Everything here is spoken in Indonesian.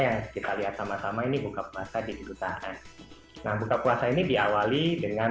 yang kita lihat sama sama ini buka puasa di kedutaan nah buka puasa ini diawali dengan